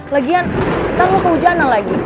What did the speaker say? lagian ntar mau ke ujana lagi